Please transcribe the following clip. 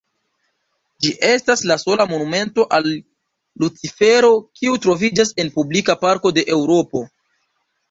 Ĝi estas la sola monumento al Lucifero kiu troviĝas en publika parko de Eŭropo.